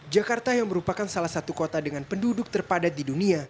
jakarta yang merupakan salah satu kota dengan penduduk terpadat di dunia